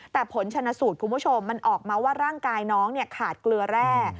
แต่ผลชนสูตรคุณผู้ชมมันออกมาว่าร่างกายน้องขาดเกลือแร่